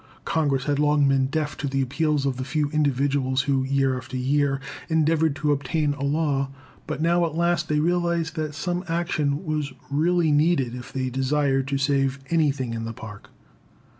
Congress had long been deaf to the appeals of the few individuals who, year after year, endeavored to obtain a law; but now, at last, they realized that some action was really needed if they desired to save anything in the Park.